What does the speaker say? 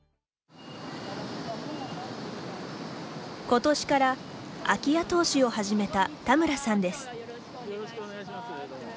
ことしから空き家投資を始めた田村さんです。